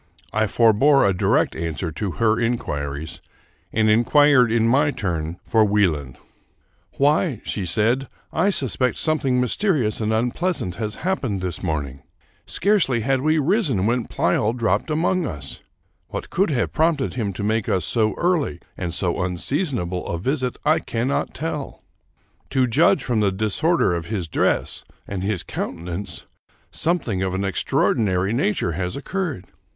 I forbore a direct answer to her inquiries, and inquired, in my turn, for Wie land. '* Why," said she, " I suspect something mysterious and unpleasant has happened this morning. Scarcely had we risen when Pleyel dropped among us. What could have prompted him to make us so early and so unseasonable a visit I cannot tell. To judge from the disorder of his dress, and his countenance, something of an extraordinary nature has occurred.